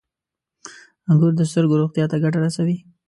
• انګور د سترګو روغتیا ته ګټه رسوي.